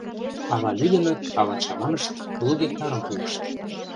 Ала лӱдыныт, ала чаманышт — лу гектарым пуышт.